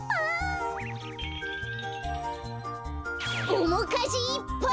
おもかじいっぱい！